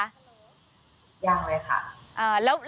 ยังไหมคะ